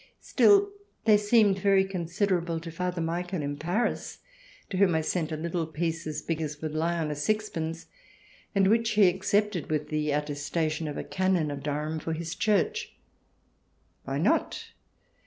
Still they seemed very considerable to Father Michael in Paris, to whom I sent a little piece as big as would lie on a sixpence and which he accepted, with the attestation of a Canon of Durham, for his church. Why not